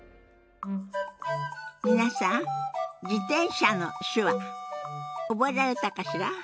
皆さん「自転車」の手話覚えられたかしら？